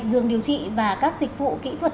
dường điều trị và các dịch vụ kỹ thuật